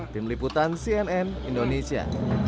tim liputan cnn indonesia